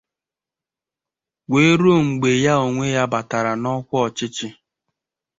wee ruo mgbe ya onwe ya bàtàrà n'ọkwa ọchịchị